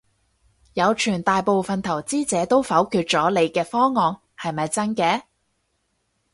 有傳大部份投資者都否決咗你嘅方案，係咪真嘅？